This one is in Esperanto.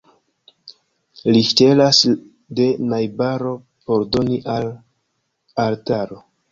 Li ŝtelas de najbaro, por doni al altaro.